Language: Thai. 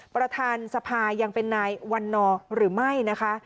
ประธานสภายังเป็นนายวันนอร์หรือไม่นะคะ